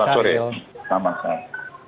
selamat sore selamat sehat